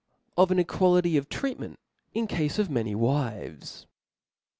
Cy an Equality of treatment in Cafe of many \ Wives.